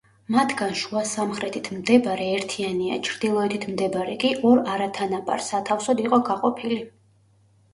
მათგან შუა სამხრეთით მდებარე ერთიანია, ჩრდილოეთით მდებარე კი, ორ არათანაბარ სათავსოდ იყო გაყოფილი.